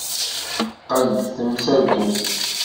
Teqqel d tamsaltut.